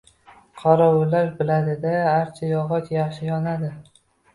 Qorovullar biladi-da, archa yog‘och yaxshi yonadi.